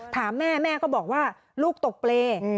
ถามแม่แม่ก็บอกว่าลูกตกเปรย์